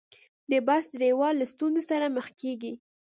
د بس ډریور له ستونزې سره مخ کېږي.